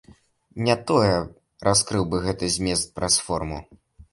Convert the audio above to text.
Не тое раскрыў бы гэты змест праз форму.